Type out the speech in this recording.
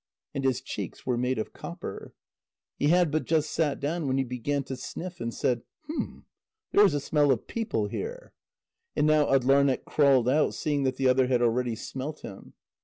And his cheeks were made of copper. He had but just sat down, when he began to sniff, and said: "Hum! There is a smell of people here." And now Atdlarneq crawled out, seeing that the other had already smelt him.